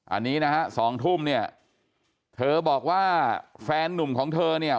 อันนี้นะฮะสองทุ่มเนี่ยเธอบอกว่าแฟนนุ่มของเธอเนี่ย